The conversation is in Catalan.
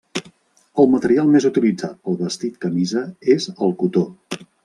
El material més utilitzat pel vestit camisa és el cotó.